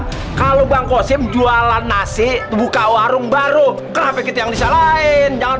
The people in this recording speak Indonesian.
activists kalau bangkosin jualan nasi buka warung baru followed yang desa lain jangan